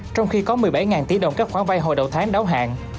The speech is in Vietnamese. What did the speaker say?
trong khi có một mươi bảy tỷ đồng các khoản vay hồi đầu tháng đáo hạn